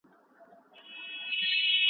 انار د بدن د وینې د رګونو د بندښت مخه نیسي.